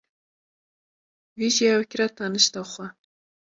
Wî jî ew kire tenişta xwe.